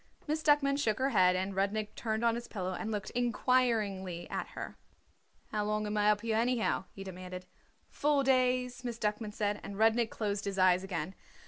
Miss Duckman shook her head, and Rudnik turned on his pillow and looked inquiringly at her. "How long am I up here, anyhow?" he demanded. "Four days," Miss Duckman said, and Rudnik closed his eyes again.